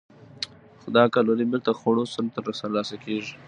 خو دا کالوري بېرته خوړو سره ترلاسه کېږي.